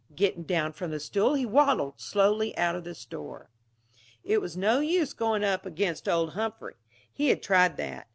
Getting down from the stool he waddled slowly out of the store. It was no use going up against old Humphrey. He had tried that.